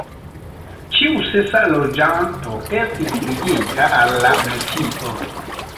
Ĉiu sesa loĝanto estis ligita al la metio.